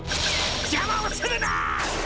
邪魔をするな！